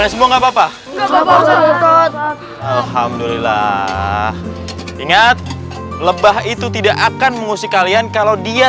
semua enggak apa apa alhamdulillah ingat lebah itu tidak akan mengusik kalian kalau dia